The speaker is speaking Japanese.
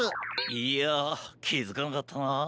いやきづかなかったな。